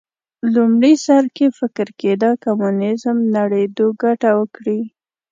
لومړي سر کې فکر کېده کمونیزم نړېدو ګټه وکړي